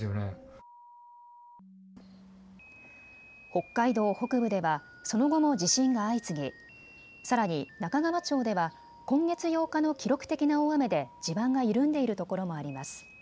北海道北部ではその後も地震が相次ぎ、さらに中川町では今月８日の記録的な大雨で地盤が緩んでいるところもあります。